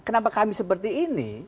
kenapa kami seperti ini